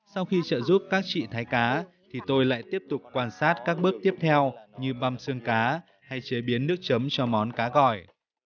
sau khi trợ giúp các chị thái cá thì tôi lại tiếp tục quan sát các bước tiếp theo như băm xương cá hay chế biến nước chấm cho món cá gỏi